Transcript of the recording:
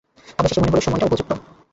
অবশেষে মনে হল, সময়টা উপযুক্ত।